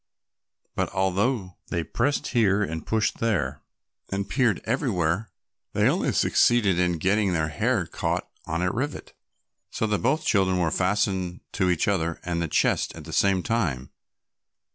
But although they pressed here and pushed there and peered everywhere, they only succeeded in getting their hair caught on a rivet, so that both children were fastened to each other and to the chest at the same time.